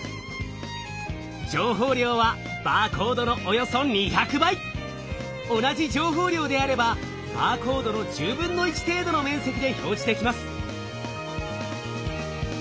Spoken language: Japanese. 情報量はバーコードのおよそ同じ情報量であればバーコードの１０分の１程度の面積で表示できます。